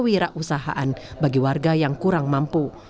ini juga menjadi kewirausahaan bagi warga yang kurang mampu